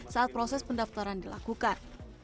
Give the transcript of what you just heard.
saat proses pendaftaran dilakukan